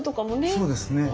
そうですね。